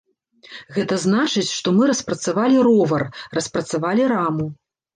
Гэта значыць, што мы распрацавалі ровар, распрацавалі раму.